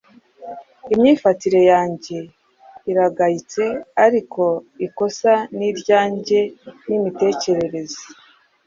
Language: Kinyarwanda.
Imyifatire yanjye iragayitse, ariko ikosa si iryanjye nimitekerereze